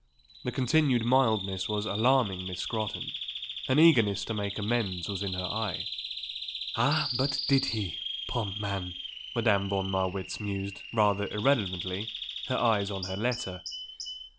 The continued mildness was alarming Miss Scrotton; an eagerness to make amends was in her eye. "Ah but did he, poor man!" Madame von Marwitz mused, rather irrelevantly, her eyes on her letter.